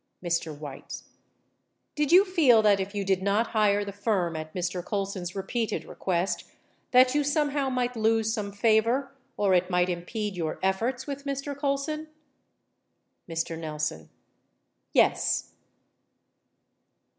Mr. Weitz. Did you feel that if you did not hire the firm at Mr. Colson's repeated request that you somehow might lose some favor or it might impede vour efforts with Mr. Colson? Mr. Nelson. Yes.